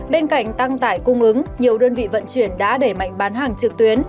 bên cạnh tăng tải cung ứng nhiều đơn vị vận chuyển đã đẩy mạnh bán hàng trực tuyến